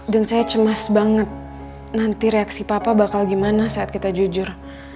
dan saya cemas banget nanti reaksi papa bakal gimana saat kita jujur